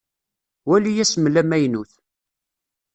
Wali asmel amaynut.